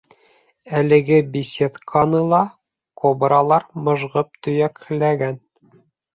Әлеге беседканы ла кобралар мыжғып төйәкләгән.